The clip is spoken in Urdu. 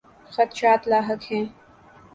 خدشات لاحق ہیں۔